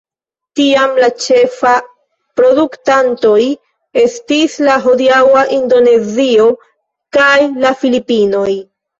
Tiam la ĉefaj produktantoj estis la hodiaŭa Indonezio kaj la Filipinoj.